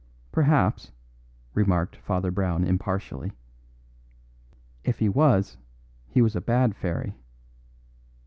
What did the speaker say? "Perhaps," remarked Father Brown impartially. "If he was, he was a bad fairy."